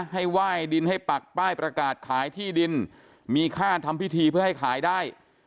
ให้ไหว้ดินให้ปักป้ายประกาศขายที่ดินมีค่าทำพิธีเพื่อให้ขายได้